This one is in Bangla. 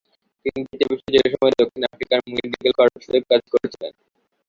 তিনি দ্বিতীয় বিশ্বযুদ্ধের সময় দক্ষিণ আফ্রিকার মেডিকেল কর্পসেও কাজ করেছিলেন।